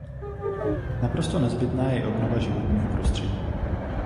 Naprosto nezbytná je i obnova životního prostředí.